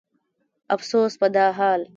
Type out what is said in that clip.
افسوس په دا حال